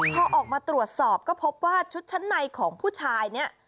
พอออกมาตรวจสอบก็พบว่าชุดชั้นในของผู้ชายเนี่ย